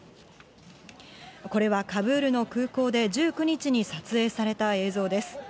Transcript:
これはカブールの空港で、１９日に撮影された映像です。